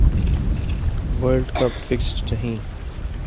world cup fixed نہی